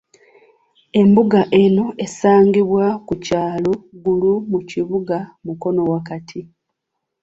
Embuga eno esangibwa ku kyalo Ggulu mu kibuga Mukono wakati.